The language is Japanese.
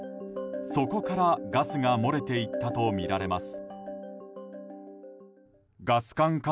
そこから、ガスが漏れていったとみられます。